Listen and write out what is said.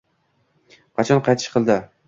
Qachon qaytish qildi